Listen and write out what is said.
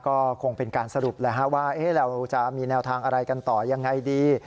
ก็คงเป็นการสรุปแล้วว่าเราจะมีแนวทางอะไรกันต่อยังไงดี